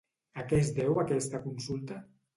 A què es deu aquesta consulta?